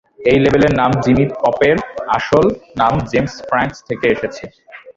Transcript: এই লেবেলের নাম জিমি পপের আসল নাম জেমস ফ্রাঙ্কস থেকে এসেছে।